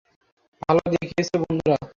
ভালো দেখিয়েছ, বন্ধুরা!